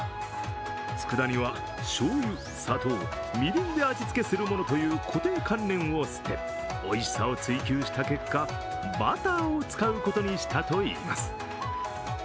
つくだ煮はしょうゆ、砂糖、みりんで味つけするものという固定観念を捨て、おいしさを追求した結果、バターを使うことにしたといいます。